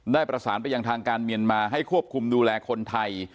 ได้ประสานไปยังทางการเมียนมาให้ควบคุมดูแลคนไทย